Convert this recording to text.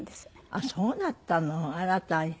あっそうだったのあら大変。